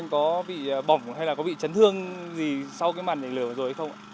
có bị bỏng hay là có bị chấn thương gì sau cái màn nhảy lửa rồi không ạ